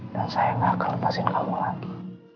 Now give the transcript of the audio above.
dan saya gak akan lepasin kamu lagi